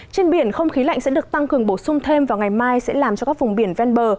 trên biển không khí lạnh sẽ được tăng cường bổ sung thêm vào ngày mai sẽ làm cho các vùng biển ven bờ